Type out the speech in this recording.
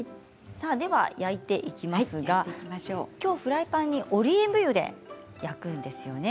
では焼いていきますがきょうフライパンにオリーブ油で焼くんですよね。